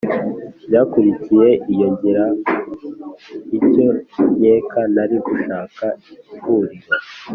byakurikiye. iyo ngira icyo nkeka, nari gushaka ihuriro